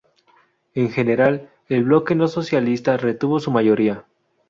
En general, el bloque no socialista retuvo su mayoría.